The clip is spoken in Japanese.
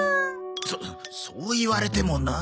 そそう言われてもなあ。